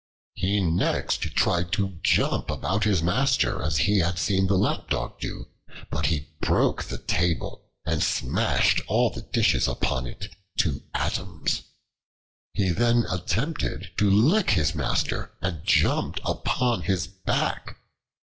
He next tried to jump about his master as he had seen the Lapdog do, but he broke the table and smashed all the dishes upon it to atoms. He then attempted to lick his master, and jumped upon his back.